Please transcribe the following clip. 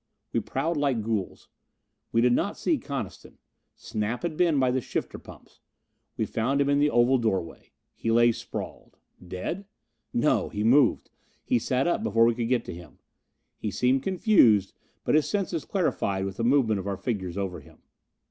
We prowled like ghouls. We did not see Coniston. Snap had been by the shifter pumps. We found him in the oval doorway. He lay sprawled. Dead? No, he moved. He sat up before we could get to him. He seemed confused, but his senses clarified with the movement of our figures over him.